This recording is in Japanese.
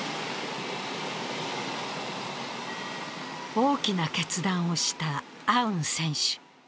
大きな決断をしたアウン選手。